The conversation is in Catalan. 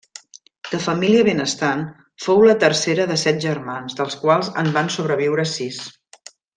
De família benestant, fou la tercera de set germans, dels quals en van sobreviure sis.